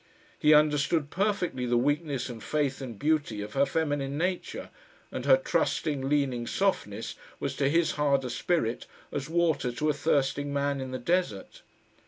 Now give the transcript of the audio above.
He understood perfectly the weakness and faith and beauty of her feminine nature, and her trusting, leaning softness was to his harder spirit as water to a thirsting man in the desert.